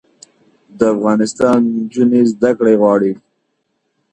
د افغانستان نجونې زده کړې غواړي